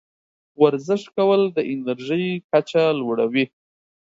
ورزش کول د انرژۍ کچه لوړوي.